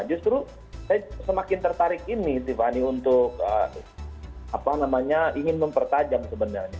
justru saya semakin tertarik ini tiffany untuk ingin mempertajam sebenarnya